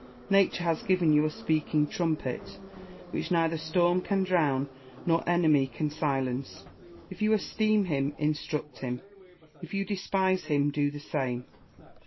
Nature has given you a speaking trumpet, which neither storm can drown nor enemy can silence. If you esteem him, instruct him ; if you despise hiin, do the same.